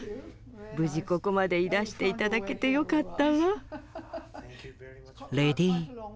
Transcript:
無事ここまでいらして頂けてよかったわ。